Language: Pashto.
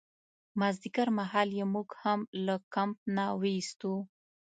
مازدیګرمهال یې موږ هم له کمپ نه ویستو.